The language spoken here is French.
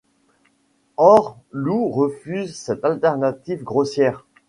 Or Lou refuse cette alternative grossière...